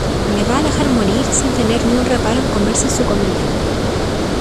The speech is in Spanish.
le va a dejar morir sin tener ni un reparo en comerse su comida.